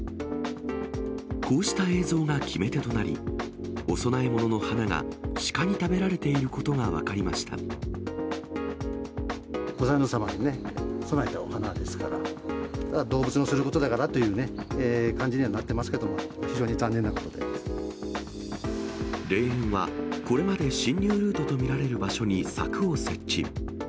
こうした映像が決め手となり、お供え物の花が鹿に食べられていご先祖様に供えたお花ですから、動物のすることだからというね、感じにはなってますけども、霊園は、これまで侵入ルートと見られる場所に柵を設置。